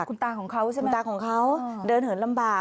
คุณตาของเขาซึ่งคุณตาของเขาเดินเหินลำบาก